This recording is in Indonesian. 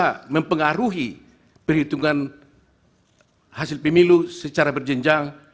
bisa mempengaruhi perhitungan hasil pemilu secara berjenjang